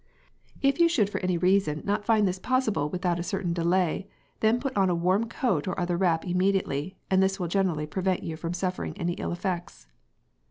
If you should for any reason not find this possible without a certain delay, then put on a warm coat or other wrap immediately, and this will generally prevent you from suffering any ill effects.